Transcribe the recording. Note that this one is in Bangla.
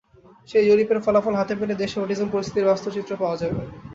সেই জরিপের ফলাফল হাতে পেলে দেশে অটিজম পরিস্থিতির বাস্তব চিত্র পাওয়া যাবে।